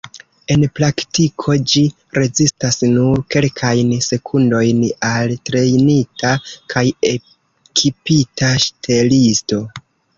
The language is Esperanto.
En praktiko, ĝi rezistas nur kelkajn sekundojn al trejnita kaj ekipita ŝtelisto.